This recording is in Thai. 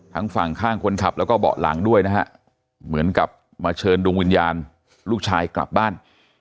ทั้งฝั่งข้างคนขับแล้วก็เบาะหลังด้วยนะฮะเหมือนกับมาเชิญดวงวิญญาณลูกชายกลับบ้าน